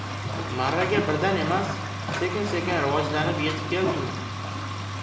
Marraga birdan emas sekin-sekin rivojlanib yetib keldingmi?